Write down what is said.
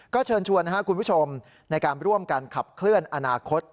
ก็เชิญชวนคุณผู้ชมในการร่วมกันขับเคลื่อนอนาคต